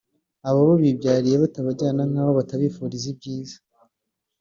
ababo bibyariye batabajyana nk’aho batabifuriza ibyiza